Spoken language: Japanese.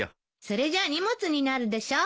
それじゃあ荷物になるでしょ。